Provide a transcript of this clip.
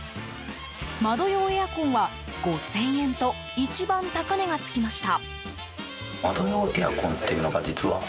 窓用エアコンは５０００円と一番、高値がつきました。